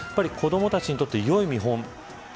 子どもたちにとってよい見本